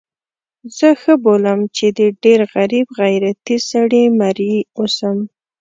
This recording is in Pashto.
زه ښه بولم چې د ډېر غریب غیرتي سړي مریی اوسم.